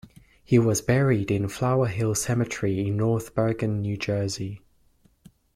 He was buried in Flower Hill Cemetery in North Bergen, New Jersey.